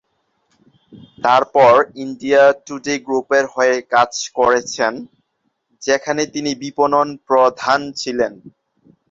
তারপর India Today গ্রুপের হয়ে কাজ করেছেন, যেখানে তিনি বিপণন প্রধান ছিলেন।